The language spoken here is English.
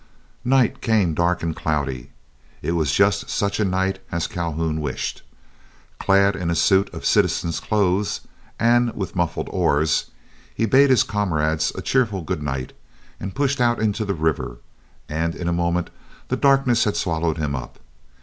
Night came dark and cloudy. It was just such a night as Calhoun wished. Clad in a suit of citizen's clothes, and with muffled oars, he bade his comrades a cheerful good night, and pushed out into the river, and in a moment the darkness had swallowed him up.